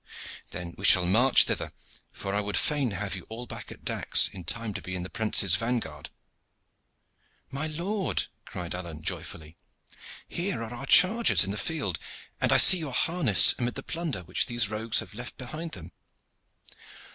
"Then we shall march thither, for I would fain have you all back at Dax in time to be in the prince's vanguard." "My lord," cried Alleyne, joyfully, "here are our chargers in the field, and I see your harness amid the plunder which these rogues have left behind them."